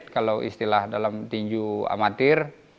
kalau istilah dalam tinju amatir